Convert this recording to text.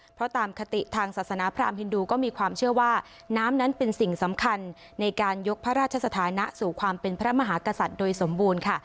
เพราะตามคติทางศาสนาพรามฮินดูก็มีความเชื่อว่าน้ำนั้นเป็นสิ่งสำคัญในการยกพระราชสถานะสู่ความเป็นพระมหากษัตริย์โดยสมบูรณ์ค่ะ